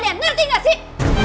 saya dengar nanya pak